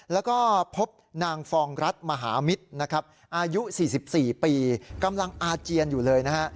แล้วก็พบนางฟองรัฐมหามิตรนะครับอายุ๔๔ปีกำลังอาเจียนอยู่เลยนะฮะ